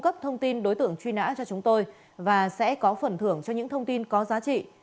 hãy bảo mật thông tin đối tượng truy nã cho chúng tôi và sẽ có phần thưởng cho những thông tin có giá trị